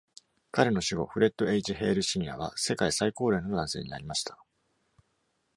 彼の死後、フレッド H. ヘイル、シニアは世界最高齢の男性になりました。